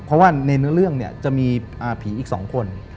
เพราะว่าในเนื้อเรื่องจะมีพี่อีก๒คน